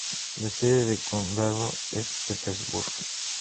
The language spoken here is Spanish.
La sede de condado es Petersburg.